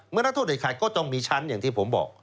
นักโทษเด็ดขาดก็ต้องมีชั้นอย่างที่ผมบอก